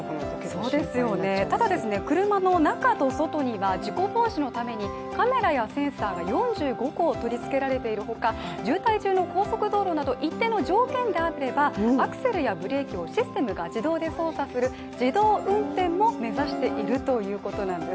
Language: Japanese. そうですよね、ただ車の中と外には事故防止のためにカメラやセンサーが４５個取り付けられているほか渋滞中の高速道路など一定の条件であればアクセルやブレーキをシステムが自動で操作する自動運転も目指しているということなんです。